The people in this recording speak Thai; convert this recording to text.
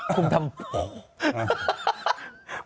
คุมทำโอ้โฮ